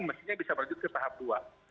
mestinya bisa berlanjut ke tahap dua